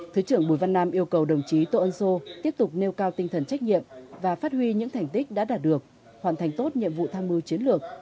thứ trưởng bùi văn nam yêu cầu đồng chí tô ân sô tiếp tục nêu cao tinh thần trách nhiệm và phát huy những thành tích đã đạt được hoàn thành tốt nhiệm vụ tham mưu chiến lược